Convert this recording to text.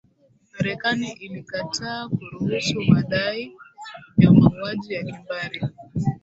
marekani ilikataa kuruhusu madai ya mauaji ya kimbari